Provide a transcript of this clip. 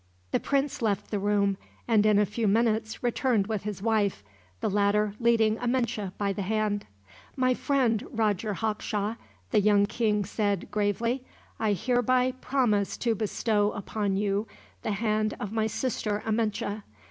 The prince left the room, and in a few minutes returned with his wife, the latter leading Amenche by the hand. "My friend, Roger Hawkshaw," the young king said, gravely; "I hereby promise to bestow upon you the hand of my sister Amenche.